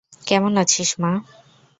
কেমন আছিস মা?